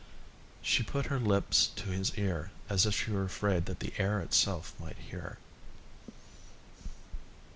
She put her lips to his ear as if she were afraid that the air itself might hear.